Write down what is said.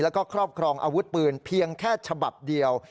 แล้วก็ครอบครองอาวุธปืนเพียงแค่ฉบับเดียว